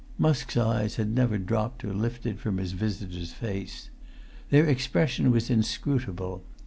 Musk's eyes had never dropped or lifted from his visitor's face. Their expression was inscrutable.